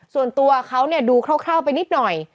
ส่วนตัวเขาดูคร่าวไปนิดหน่อย